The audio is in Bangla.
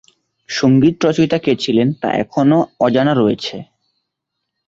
সঙ্গীত রচয়িতা কে ছিলেন তা এখনো অজানা রয়েছে।